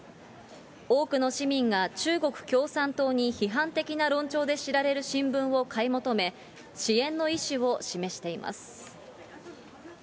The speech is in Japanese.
多くの市民が中国共産党に批判的な論調で知られる新聞を買い求め、支援の意思を示しています。